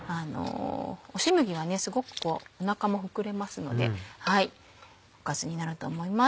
押し麦はすごくおなかも膨れますのでおかずになると思います。